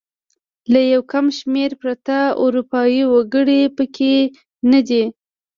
له یو کم شمېر پرته اروپايي وګړي پکې نه دي.